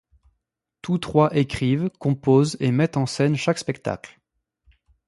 Tous trois écrivent, composent et mettent en scène chaque spectacle.